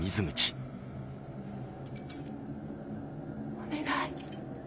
お願い